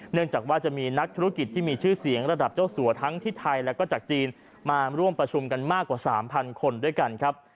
เนื่องจากว่าจะมีนักธุรกิจที่มีชื่อเสียงระดับเจ้าสัวทั้งที่ไทยแล้วก็จากจีนมาร่วมประชุมกันมากกว่า๓๐๐คนด้วยกันครับ